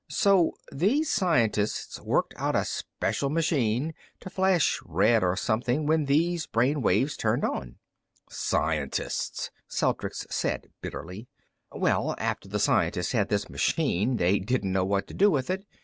So these scientists worked out a special machine to flash red or something when these brain waves turned on." "Scientists," Celtrics said bitterly. "Well, after the scientists had this machine, they didn't know what to do with it.